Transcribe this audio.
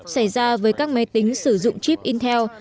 xảy ra với các máy tính sử dụng chip intel